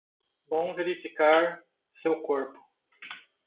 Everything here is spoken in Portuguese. Bom verificar seu corpo